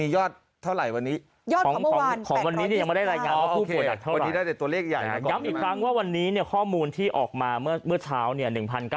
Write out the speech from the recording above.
ย้ำอีกครั้งว่าวันนี้เนี่ยข้อมูลที่ออกมาเมื่อเช้าเนี่ย